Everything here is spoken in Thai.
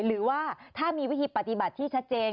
หรือว่าถ้ามีวิธีปฏิบัติที่ชัดเจน